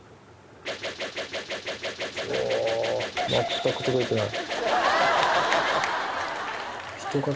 うわ全く届いてない。